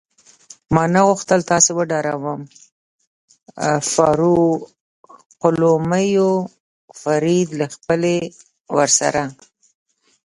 ما نه غوښتل تاسې وډاروم، فاروقلومیو فرید له خپلې ورسره.